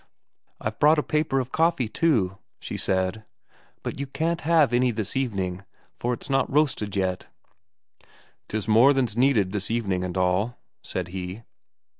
"I've brought a paper of coffee too," she said. "But you can't have any this evening, for it's not roasted yet." "'Tis more than's needed this evening and all," said he.